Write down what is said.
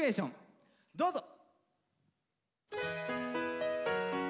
どうぞ！